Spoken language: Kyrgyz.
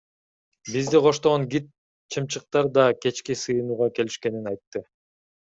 Бизди коштогон гид чымчыктар да кечки сыйынууга келишкенин айтты.